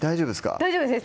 大丈夫です